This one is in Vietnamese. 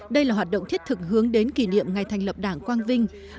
đây là hoạt động thiết thực hướng đến kỷ niệm ngày thành lập đảng quang vinh